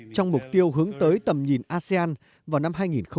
trong mục tiêu hướng tới tầm nhìn asean vào năm hai nghìn hai mươi năm